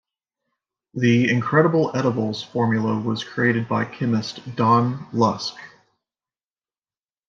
The "Incredible Edibles" formula was created by chemist Don Lusk.